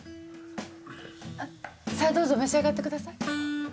さあどうぞ召し上がってください。